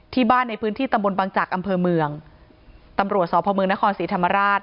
ที่บ้านในพื้นที่ตำบลบังจักรอำเภอเมืองตำรวจสพเมืองนครศรีธรรมราช